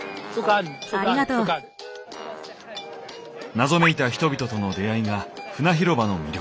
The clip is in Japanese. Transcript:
謎めいた人々との出会いがフナ広場の魅力。